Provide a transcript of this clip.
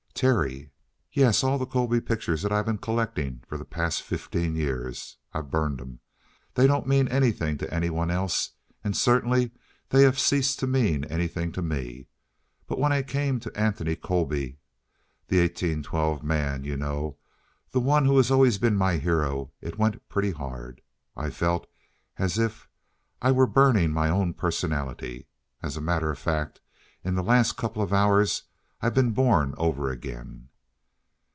"Terry!" "Yes, all the Colby pictures that I've been collecting for the past fifteen years. I burned 'em. They don't mean anything to anyone else, and certainly they have ceased to mean anything to me. But when I came to Anthony Colby the eighteen twelve man, you know, the one who has always been my hero it went pretty hard. I felt as if I were burning my own personality. As a matter of fact, in the last couple of hours I've been born over again."